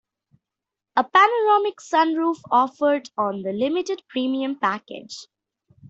A panoramic sunroof offered on the Limited Premium Package.